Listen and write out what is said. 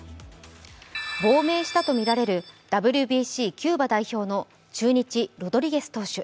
亡命したとみられるＷＢＣキューバ代表の中日・ロドリゲス選手。